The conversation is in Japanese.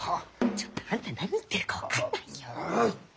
ちょっとあんた何言ってるか分かんないよ。ああ？